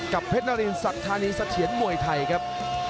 กับเพชรนรินศักดิ์ธานีสัทเฉียนมวยไทยครับ